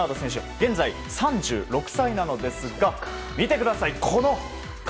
現在３６歳なのですが見てください、この体。